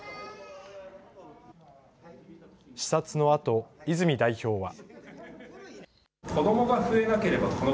視察のあと泉代表は。